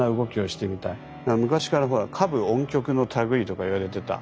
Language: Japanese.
昔からほら歌舞音曲の類いとかいわれてた。